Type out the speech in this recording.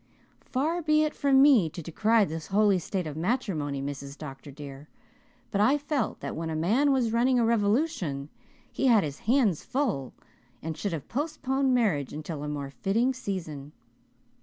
"Far be it from me to decry the holy state of matrimony, Mrs. Dr. dear, but I felt that when a man was running a revolution he had his hands full and should have postponed marriage until a more fitting season.